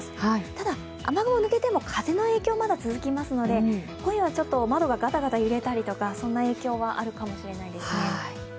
ただ雨雲が抜けても風の影響はまだ続きますので今夜は窓がガタガタ揺れたりとか、そんな影響はあるかもしれないですね。